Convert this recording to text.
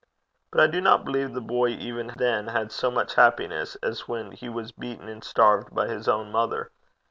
But I do not believe the boy even then had so much happiness as when he was beaten and starved by his own mother.